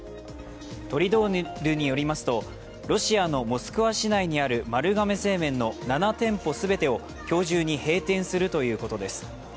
トリドールによりますとロシアのモスクワ市内にある丸亀製麺の７店舗全てを今日中に閉店するということです。